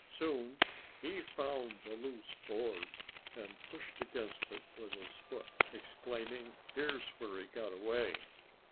Soon he found the loose board and pushed against it with his foot, exclaiming, "Here's where he got away!